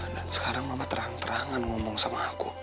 dan sekarang mama terang terangan ngomong sama aku